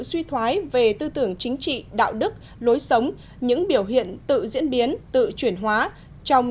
suy thoái về tư tưởng chính trị đạo đức lối sống những biểu hiện tự diễn biến tự chuyển hóa trong